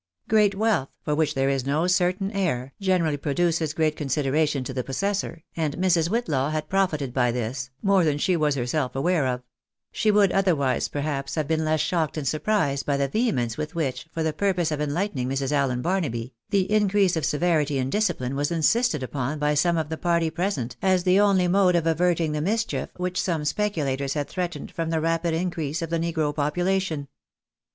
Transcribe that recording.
Great wealth, for which there is no certain heir, generally pro duces great consideration to the possessor, and Mrs. Whitlaw had profited by this, more than she was herself aware of ; she would otherwise, perhaps, have been less shocked and surprised by the vehemence with which, for the purpose of enlightening Mrs. Allen Barnaby, the increase of severity in discipline was insisted upon by some of the party present as the only mode of averting the mischief which some speculators had threatened, from the rapid increase of the negro population.